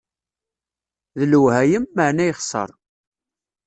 D lwehayem, meεna yexser.